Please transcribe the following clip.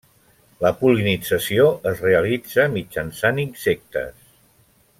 La pol·linització es realitza mitjançant insectes.